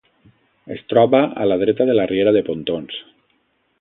Es troba a la dreta de la riera de Pontons.